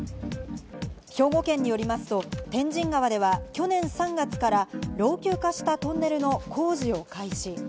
兵庫県によりますと天神川では去年３月から老朽化したトンネルの工事を開始。